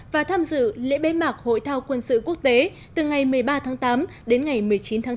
và tham dự lễ bế mạc hội thao quân sự quốc tế từ ngày một mươi ba tháng tám đến ngày một mươi chín tháng tám